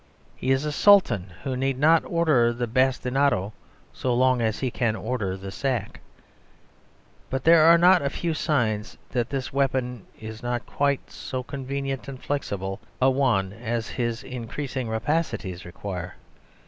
He is a Sultan who need not order the bastinado, so long as he can order the sack. But there are not a few signs that this weapon is not quite so convenient and flexible a one as his increasing rapacities require.